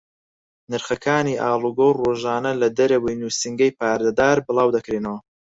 نرخەکانی ئاڵوگۆڕ ڕۆژانە لە دەرەوەی نووسینگەی پارەدار بڵاو دەکرێنەوە.